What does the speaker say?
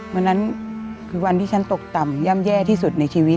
วันนั้นคือวันที่ฉันตกต่ำย่ำแย่ที่สุดในชีวิต